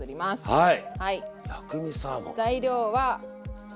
はい。